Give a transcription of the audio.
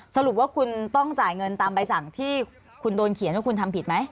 สรุปว่าคุณต้องจ่ายเงินตามใบสั่งที่คุณโดนเขียนว่าคุณทำผิดไหม